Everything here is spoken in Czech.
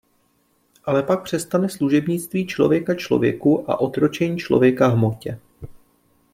Ale pak přestane služebnictví člověka člověku a otročení člověka hmotě.